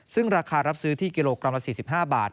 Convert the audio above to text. ซึ่งราคารับซื้อที่กิโลกรัมละ๔๕บาท